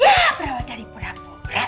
ya berapa dari pura pura